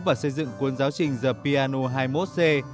và xây dựng cuốn giáo trình the piano hai mươi một c